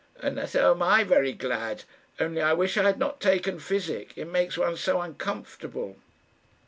"And so am I very glad; only I wish I had not taken physic, it makes one so uncomfortable."